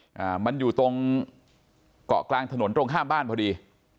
อ่ามันอยู่ตรงเกาะกลางถนนตรงข้ามบ้านพอดี